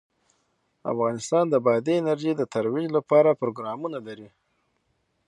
افغانستان د بادي انرژي د ترویج لپاره پروګرامونه لري.